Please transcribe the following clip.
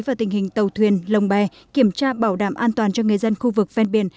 và tình hình tàu thuyền lồng bè kiểm tra bảo đảm an toàn cho người dân khu vực ven biển